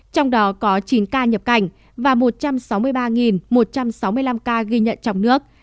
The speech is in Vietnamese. trong đó có chín ca nhập cảnh và một trăm sáu mươi ba một trăm sáu mươi năm ca ghi nhận trong nước